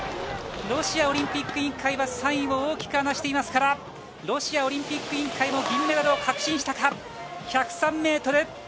ロシアオリンピック委員会は３位を大きく引き離していますから、ロシアオリンピック委員会も銀メダルを確信したか。